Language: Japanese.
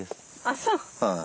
あっそう。